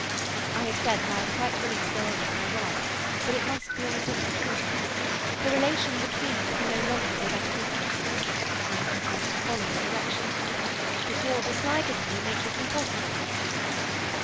"I have said that I am quite willing to go on with my work, but it must be on a different footing. The relation between us can no longer be that of equals. I am content to follow your directions. But your dislike of me will make this impossible."